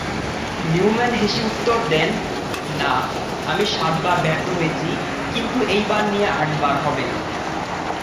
Neumann হেসে উত্তর দেন, "না, আমি সাতবার ব্যর্থ হয়েছি, কিন্তু এইবার নিয়ে আটবার হবে।"